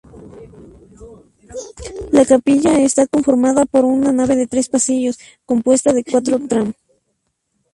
La capilla está conformada por una nave de tres pasillos compuesta de cuatro tramos.